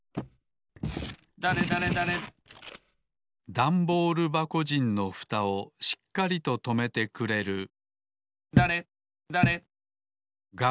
ダンボールばこじんのふたをしっかりととめてくれるだれだれ。